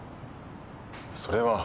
それは。